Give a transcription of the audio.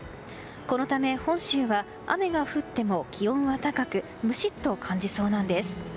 このため本州は雨が降っても気温が高くムシッと感じそうなんです。